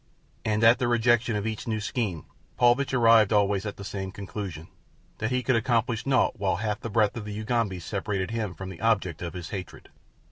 And at the rejection of each new scheme Paulvitch arrived always at the same conclusion—that he could accomplish naught while half the breadth of the Ugambi separated him from the object of his hatred.